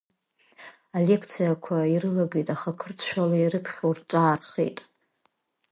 Алекциақәа ирылагеит, аха қырҭшәала ирыԥхьо рҿаархеит.